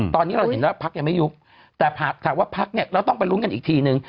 ตอนนี้เราเห็นว่าพักยังไม่ยุบแต่ถามว่าพักเนี่ยเราต้องไปลุ้นกันอีกทีนึง